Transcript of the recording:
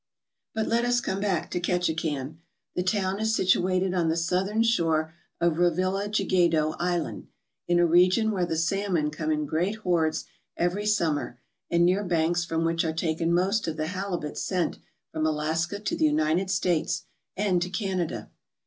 But let us come back to Ketchikan. The town is situated on the southern shore of Re villa Gigedo Island, in a region where the salmon come in great hordes every summer and near banks from which are taken most of the halibut sent from Alaska to the United States and to Canada.